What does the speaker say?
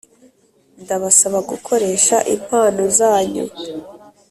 ndabasaba gukoresha impano zanyu